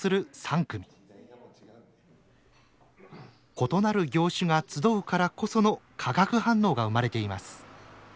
異なる業種が集うからこその化学反応が生まれています。